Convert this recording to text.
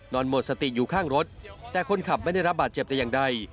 หมดสติอยู่ข้างรถแต่คนขับไม่ได้รับบาดเจ็บแต่อย่างใด